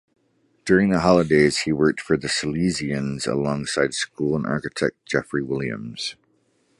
During the holidays he worked for the Salesians alongside school architect Jeffrey Williams.